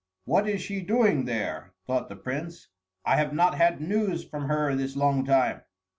"What is she doing there?" thought the prince. "I have not had news from her this long time."